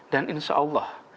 dan insya allah